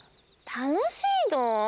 たのしいの？